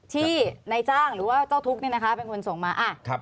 ที่นายจ้างหรือว่าเจ้าทุกข์เป็นคนส่งมา